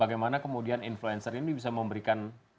bagaimana kemudian influencer ini bisa memberikan